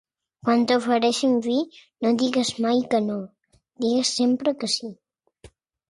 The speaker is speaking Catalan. Quan t'ofereixin vi, no diguis mai que no; digues sempre que sí.